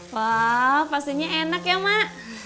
wow pastinya enak ya mak